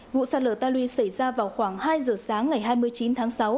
vụ sạt lở ta luy xảy ra vào khoảng hai giờ sáng ngày hai mươi chín tháng sáu